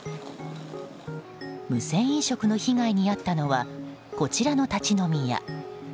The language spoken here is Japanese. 無銭飲食の被害に遭ったのはこちらの立ち飲み屋。